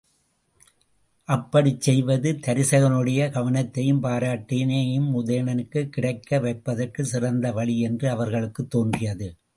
அப்படிச் செய்வது தருசகனுடைய கவனத்தையும் பாராட்டையும் உதயணனுக்குக் கிடைக்க வைப்பதற்குச் சிறந்த வழி என்று அவர்களுக்குத் தோன்றியது.